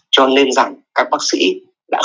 cho nên rằng các bác sĩ đã khởi